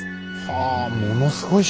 はあものすごい